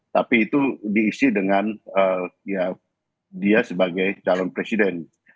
tapi itu diisi dengan dia sebagai calon presiden